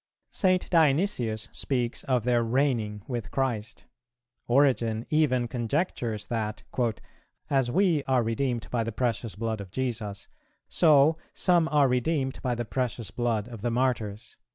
St. Dionysius speaks of their reigning with Christ; Origen even conjectures that "as we are redeemed by the precious blood of Jesus, so some are redeemed by the precious blood of the Martyrs."